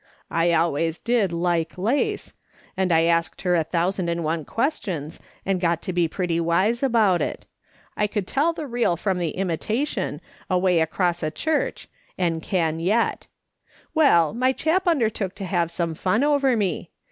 I always did like lace, and I asked her a thousand and one questions, and got to be pretty wise about it • I could tell the real from the imita . "YOU ARE RIGHT, I AM A RELATION." 197 tion, away across a church, and can yet. Well, my chap undertook to have some fun over me.